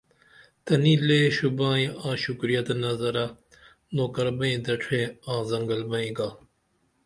تنی لے شوبائی آں شکریہ تہ نظرہ نوکر بیئں دڇھے آں زنگل بیئں گا